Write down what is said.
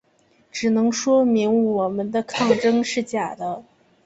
只能说明我们的抗战是假的。